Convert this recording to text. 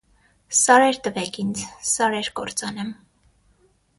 Սարեր տվեք ինձ, սարեր կործանեմ,